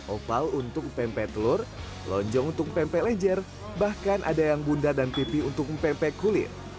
opal untuk mpe mpe telur lonjong untuk mpe mpe lejer bahkan ada yang bunda dan pipi untuk mpe mpe kulit